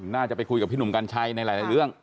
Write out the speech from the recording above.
น่าจะไปคุยกับพี่หนุ่มกัญชัยในหลายเรื่อง